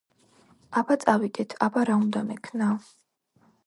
აბა, წავიდეთ! აბა, რა უნდა მექნა?